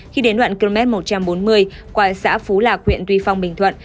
khi đến đoạn km một trăm bốn mươi qua xã phú lạc huyện tuy phong bình thuận